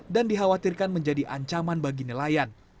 dan dikhawatirkan menjadi ancaman bagi nelayan